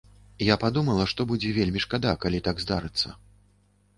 Я падумала, што будзе вельмі шкада, калі так здарыцца.